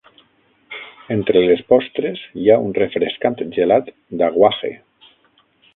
Entre les postres hi ha un refrescant gelat d'"aguaje".